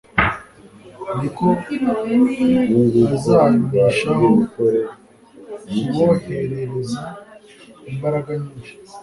niko azanishaho kuboherereza imbaraga nyinshi.